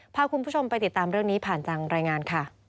พาคุณผู้ชมไปติดตามเรื่องนี้ผ่านจากรายงานค่ะ